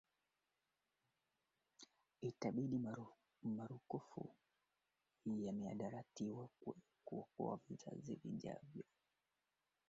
kuna milima kama vile mlima meru udzugwa na Kilimanjaro